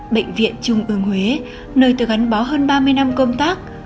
bệnh viện trung ương huế nơi tôi gắn bó hơn ba mươi năm công tác